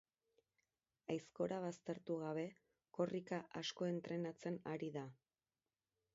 Aizkora baztertu gabe, korrika asko entrenatzen ari da.